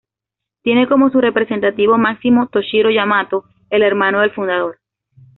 Tiene como su representativo máximo Toshiro Yamato, el hermano del fundador.